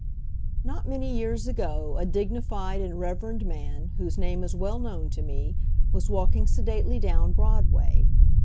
Not many years ago, a dignified and reverend man, whose name is well known to me, was walking sedately down Broadway.